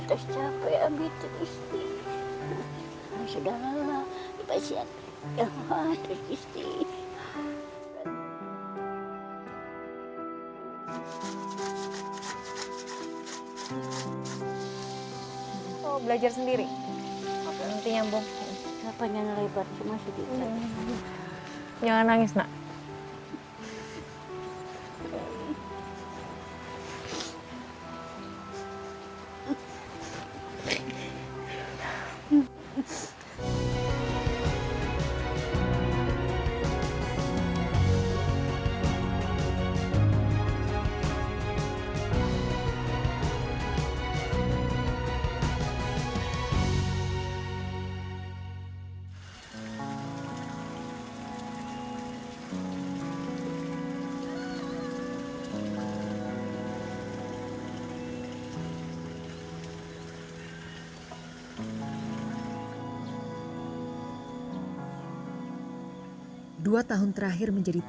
astagfirullahaladzim atas capai ambil